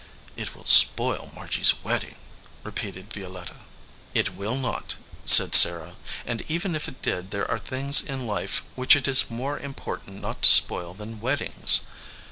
"It will spoil Margy s wedding," repeated Vio letta. "It will not," said Sarah, "and even if it did, there are things in life which it is more important not to spoil than weddings."